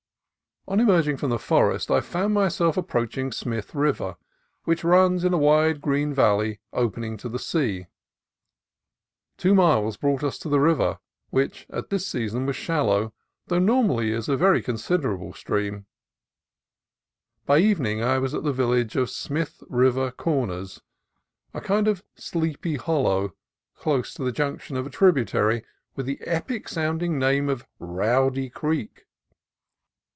On emerging from the forest, I found myself ap proaching Smith River, which runs in a wide green valley opening to the sea. Two miles brought us to the river, which at this season was shallow, though normally it is a very considerable stream. By evening I was at the village of Smith River Cor ners, a kind of Sleepy Hollow close to the junction of a tributary with the epic sounding name of Rowdy Creek.